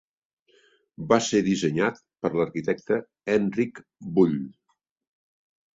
Va ser dissenyat per l'arquitecte Henrik Bull.